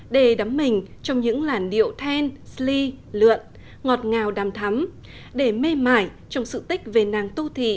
để đắm mình trong những làn điệu then sli lượn ngọt ngào đàm thắm để mê mải trong sự tích về nàng tô thị